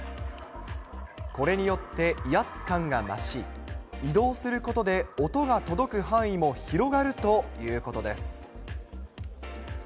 これによって、威圧感が増し、移動することで音が届く範囲も広がるということです。